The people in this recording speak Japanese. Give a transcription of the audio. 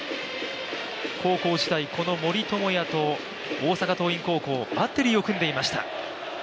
高校時代、この森友哉と大阪桐蔭高校バッテリーを組んでいました。